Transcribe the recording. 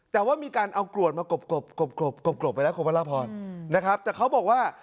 แต่ว่ามีการเอากรวดมากรบกรบกรบกรบกรบไปแล้วครับแต่เขาบอกว่า